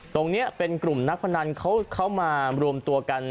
ตรงนี้เป็นกลุ่มนักพนันเขามารวมตัวกัน